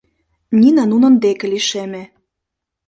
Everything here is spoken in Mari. Нина нунын дек лишеме.